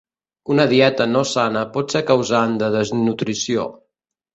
Una dieta no sana pot ser causant de desnutrició.